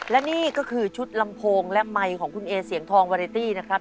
และนี่ก็คือชุดลำโพงและไมค์ของคุณเอเสียงทองวาเรตี้นะครับ